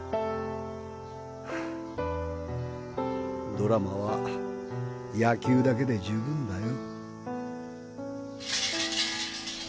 ドラマは野球だけで十分だよ。